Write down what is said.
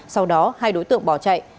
sau đó hai đối tượng bỏ chạy